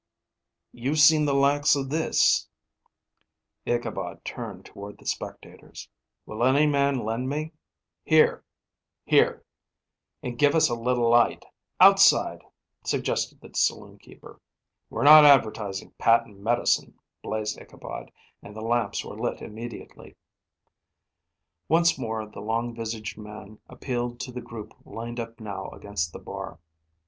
"You've seen the likes of this " Ichabod turned toward the spectators. "Will any man lend me " "Here " "Here " "And give us a little light." "Outside," suggested the saloon keeper. "We're not advertising patent medicine," blazed Ichabod, and the lamps were lit immediately. Once more the long visaged man appealed to the group lined up now against the bar.